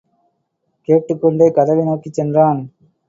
கேட்டுக் கொண்டே கதவை நோக்கிச் சென்றான்.